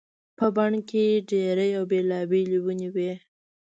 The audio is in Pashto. په بڼ کې ډېرې او بېلابېلې ونې وي.